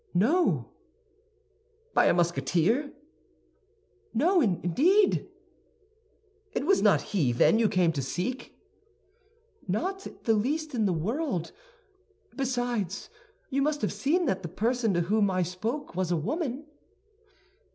"No." "By a Musketeer?" "No, indeed!" "It was not he, then, you came to seek?" "Not the least in the world. Besides, you must have seen that the person to whom I spoke was a woman."